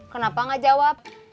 kenapa gak jawab